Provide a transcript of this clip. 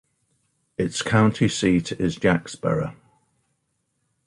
Its county seat is Jacksboro.